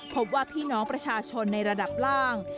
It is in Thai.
พบว่าพี่น้องประชาชนในระดับล่าง